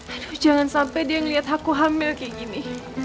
aduh jangan sampai dia ngelihat aku hamil kayak gini